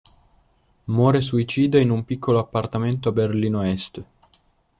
Muore suicida in un piccolo appartamento a Berlino Est.